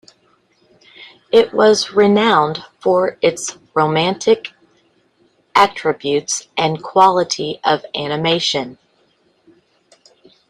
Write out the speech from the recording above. It was renowned for its romantic attributes and quality of animation.